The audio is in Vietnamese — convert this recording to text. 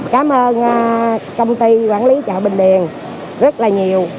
cảm ơn công ty quản lý chợ bình điền rất là nhiều